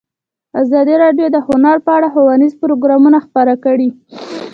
ازادي راډیو د هنر په اړه ښوونیز پروګرامونه خپاره کړي.